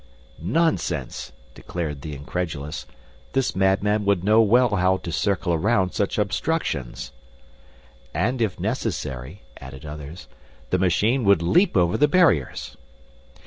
"Nonsense!" declared the incredulous. "This madman would know well how to circle around such obstructions." "And if necessary," added others, "the machine would leap over the barriers."